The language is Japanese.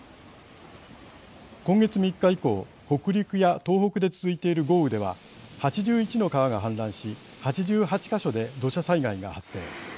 今月３日以降北陸や東北で続いている豪雨では８１の川が氾濫し８８か所で土砂災害が発生。